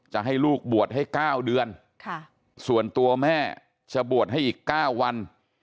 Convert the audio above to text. จะให้ลูกบวชให้๙เดือนส่วนตัวแม่จะบวชให้อีก๙วัน